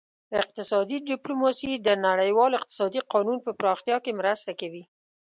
اقتصادي ډیپلوماسي د نړیوال اقتصادي قانون په پراختیا کې مرسته کوي